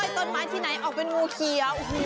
ต้นไม้ที่ไหนออกเป็นงูเขียว